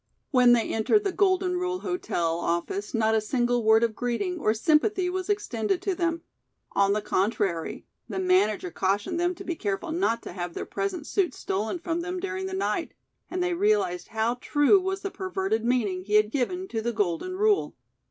When they entered the "Golden Rule Hotel" office not a single word of greeting or sympathy was extended to them; on the contrary, the manager cautioned them to be careful not to have their present suits stolen from them during the night, and they realized how true was the perverted meaning he had given to the Golden Rule.